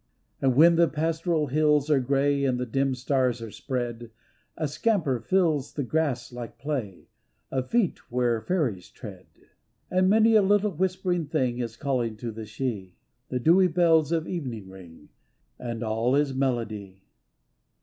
And when the pastoral hills are grey And the dim stars are spread, A scamper fills the grass like play Of feet where fairies tread. 1 Fairy music. 258 CEOL SIDHE 259 And many a little whispering thing Is calling to the Shee. The dewy bells of evening ring, And all is melody.